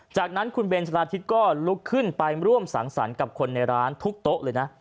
จากนั้นคุณเบนชะลาธิตก็ลุกขึ้นไปร่วมสังสรรค์กับคนในร้านทุกโต๊ะเลยนะ